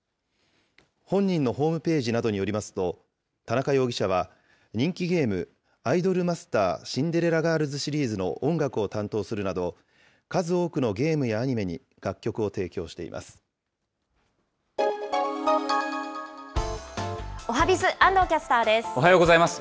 本人のホームページなどによりますと、田中容疑者は人気ゲーム、アイドルマスターシンデレラガールズシリーズの音楽を担当するなど、数多くのゲームやアニメに楽曲を提供しています。